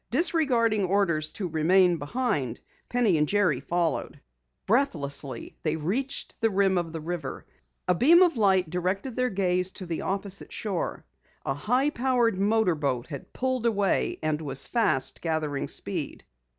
Disregarding orders to remain behind, Penny and Jerry followed. Breathlessly, they reached the rim of the river. A beam of light directed their gaze to the opposite shore. A high powered motor boat had pulled away and was fast gathering speed.